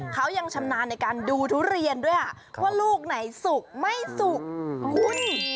เขายังชำนาญในการดูทุเรียนด้วยว่าลูกไหนสุกไม่สุกคุณ